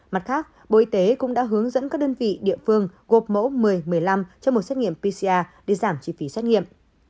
mặt khác bộ y tế cũng đã hướng dẫn các đơn vị địa phương gộp mẫu một mươi một mươi năm cho một xét nghiệm pcr để giảm chi phí xét nghiệm